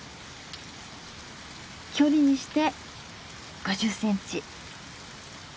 距離にして５０センチ。